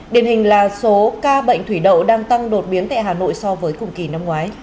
điển hình là số ca bệnh thủy đậu đang tăng đột biến tại hà nội so với cùng kỳ năm ngoái